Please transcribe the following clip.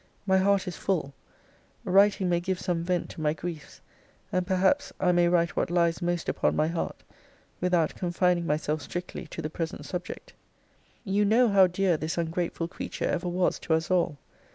My heart is full: writing may give some vent to my griefs, and perhaps I may write what lies most upon my heart, without confining myself strictly to the present subject. You know how dear this ungrateful creature ever was to us all.